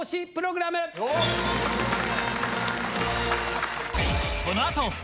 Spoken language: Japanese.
っこのあと！